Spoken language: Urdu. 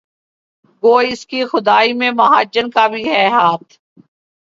گو اس کی خدائی میں مہاجن کا بھی ہے ہاتھ